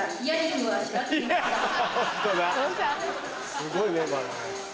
すごいメンバーだね。